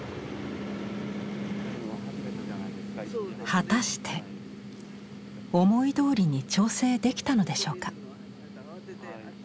果たして思いどおりに調整できたのでしょうか。